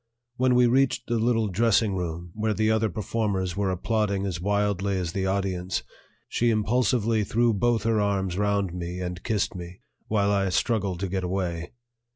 When we reached the little dressing room, where the other performers were applauding as wildly as the audience, she impulsively threw both her arms round me and kissed me, while I struggled to get away.